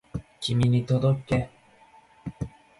君に届け